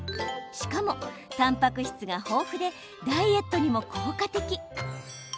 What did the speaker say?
しかも、たんぱく質が豊富でダイエットにも効果的。